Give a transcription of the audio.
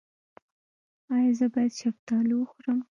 ایا زه باید شفتالو وخورم؟